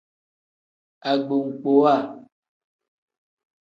Agbokpowa.